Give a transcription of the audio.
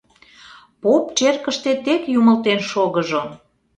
Поп черкыште тек юмылтен шогыжо.